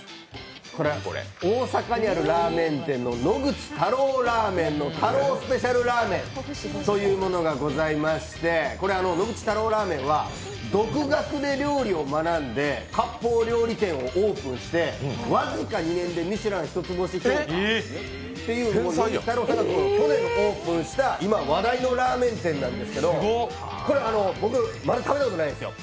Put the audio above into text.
これは大阪にあるラーメン店の野口太郎ラーメンの太郎スペシャルラーメンというものがございまして、野口太郎ラーメンは独学で料理を学んで、割烹料理店をオープンして僅か２年でミシュラン１つ星という去年にオープンした今、話題のラーメン店なんですけれども、僕、まだ食べたことないんですよ。